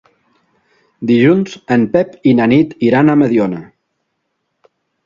Dilluns en Pep i na Nit iran a Mediona.